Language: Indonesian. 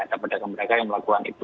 ada pedagang mereka yang melakukan itu